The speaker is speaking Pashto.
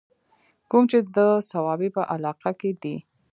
کوم چې د صوابۍ پۀ علاقه کښې دے